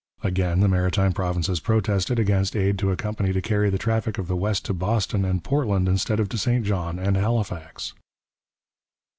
Again, the Maritime Provinces protested against aid to a company to carry the traffic of the West to Boston and Portland instead of to St John and Halifax.